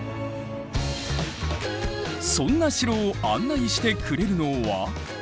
そんな城を案内してくれるのは。